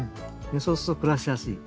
そうすると暮らしやすい。